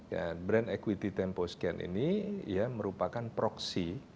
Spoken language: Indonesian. ya brand equity temposcan ini ya merupakan proxy